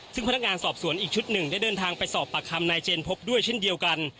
ซึ่งพนักงานสอบสวนอีกชุดหนึ่งได้เดินทางไปสอบปากคำนายเจนพบด้วยเช่นเดียวกัน